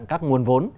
các nguồn vốn